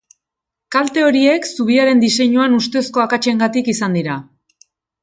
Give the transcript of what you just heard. Kalte horiek zubiaren diseinuan ustezko akatsengatik izan dira.